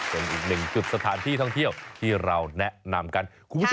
เป็นอีกหนึ่งจุดสถานที่ท่องเที่ยวที่เราแนะนำกันคุณผู้ชม